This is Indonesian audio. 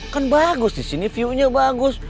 kan bagus disini view nya bagus